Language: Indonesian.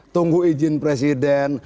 tunggu izin presiden